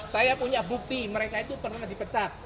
saya punya bukti mereka itu pernah dipecat